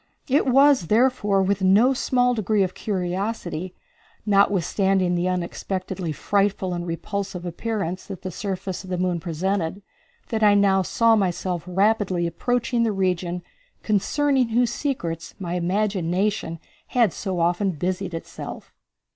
It was, therefore, with no small degree of curiosity, notwithstanding the unexpectedly frightful and repulsive appearance that the surface of the moon presented, that I now saw myself rapidly approaching the region concerning whose secrets my imagination had so often busied itself.